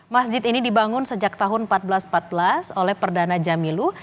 masjid ini dibangun sejak tahun seribu empat ratus empat belas oleh perdana jamilu